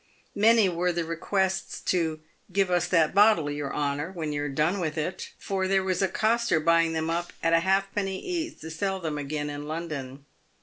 Many were the requests to " give us that bottle, your honour, when you're done with it," for there was a coster buying them up at a halfpenny each to sell them again in London.